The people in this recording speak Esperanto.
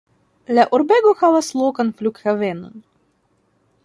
La urbego havas lokan flughavenon.